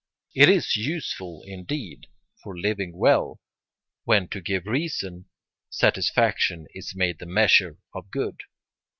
It is useful, indeed, for living well, when to give reason satisfaction is made the measure of good.